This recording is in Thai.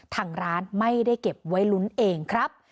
ทางร้านไม่ได้เก็บไว้ลุ้นเองครับ